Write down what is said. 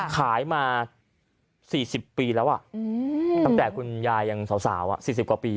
ขายมา๔๐ปีแล้วตั้งแต่คุณยายยังสาว๔๐กว่าปี